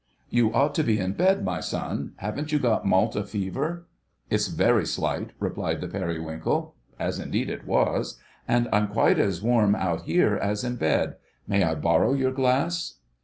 "You ought to be in bed, my son. Haven't you got Malta Fever?" "It's very slight," replied the Periwinkle—as indeed it was,—"and I'm quite as warm out here as in bed. May I borrow your glass?"